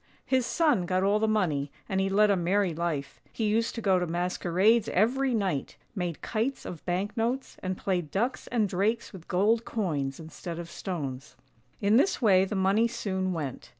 His son got all the money, and he led a merry life; he used to go to masquerades every night, made kites of bank notes, and played ducks and drakes with gold coins instead of stones. In this way the money soon went.